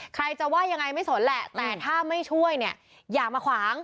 ใครจะว่ายังไงไม่สนแหละแต่ถ้าไม่ช่วยเนี่ยอย่ามาขวาง